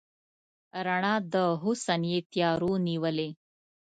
رڼا د حسن یې تیارو نیولې